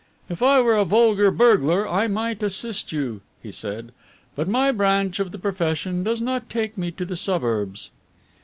"If I were a vulgar burglar I might assist you," he said, "but my branch of the profession does not take me to the suburbs."